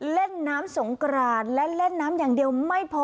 เล่นน้ำสงกรานและเล่นน้ำอย่างเดียวไม่พอ